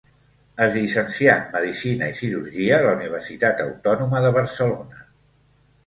Es llicencià en medicina i cirurgia a la Universitat Autònoma de Barcelona.